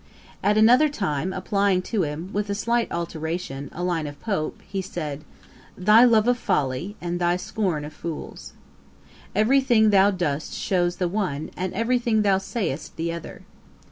At another time applying to him, with a slight alteration, a line of Pope, he said, 'Thy love of folly, and thy scorn of fools. 'Every thing thou dost shews the one, and every thing thou say'st the other.'